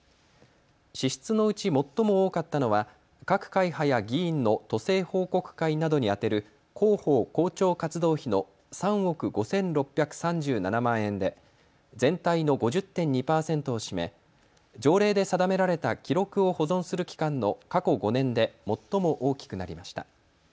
支出のうち最も多かったのは各会派や議員の都政報告会などに充てる広報・広聴活動費の３億５６３７万円で全体の５０．２％を占め条例で定められた記録を保存する期間の過去５年で最も大きくなりました。